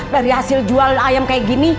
dari hasil jual ayam kayak gini